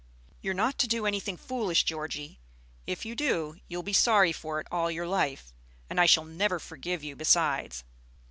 You're not to do anything foolish, Georgie. If you do, you'll be sorry for it all your life, and I shall never forgive you besides.